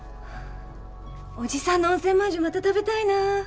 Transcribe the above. おじさんの温泉まんじゅうまた食べたいなぁ。